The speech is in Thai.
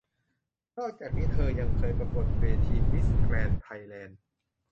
นอกจากนี้เธอยังเคยประกวดเวทีมิสแกรนด์ไทยแลนด์